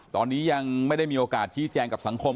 ตอนนี้ยังไม่ได้มีโอกาสชี้แจงกับสังคม